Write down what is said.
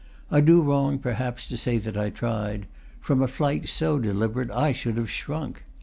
I do wrong, perhaps, to say that 1 tried; from a flight so deliberate I should have shrunk.